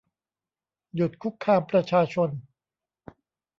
หยุดคุกคามประชาชน